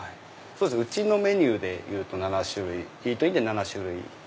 うちのメニューでいうとイートインで７種類。